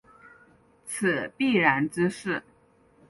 此必然之势。